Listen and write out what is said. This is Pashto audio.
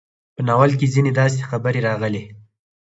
په ناول کې ځينې داسې خبرې راغلې